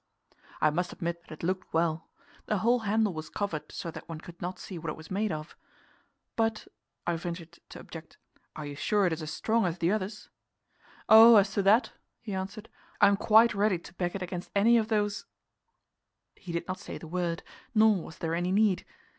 I must admit that it looked well. The whole handle was covered, so that one could not see what it was made of. "But," I ventured to object, "are you sure it is as strong as the others?" "Oh, as to that," he answered, "I'm quite ready to back it against any of those " He did not say the word, nor was there any need.